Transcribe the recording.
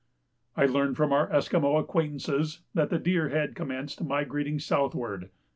I learnt from our Esquimaux acquaintances that the deer had commenced migrating southward.